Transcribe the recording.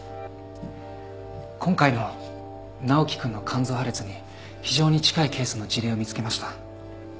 今回の直樹君の肝臓破裂に非常に近いケースの事例を見つけました。